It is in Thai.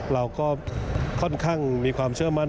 เราก็ค่อนข้างมีความเชื่อมั่น